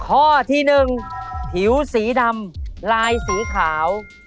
ข้อที่๑ผิวสีดำลายสีขาว